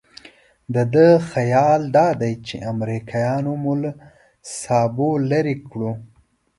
د ده خیال دادی چې امریکایانو مو له سابو لرې کړو.